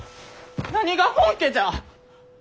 なにが本家じゃ！